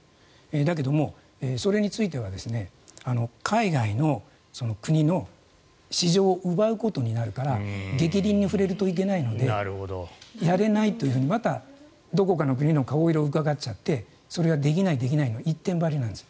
だけど、それについては海外の国の市場を奪うことになるから逆鱗に触れるといけないのでやれないというふうにまた、どこかの国の顔色をうかがっちゃってそれができないの一点張りなんです。